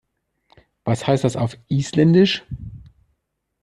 Was heißt das auf Isländisch?